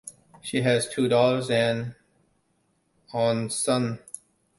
She has two daughters and on son.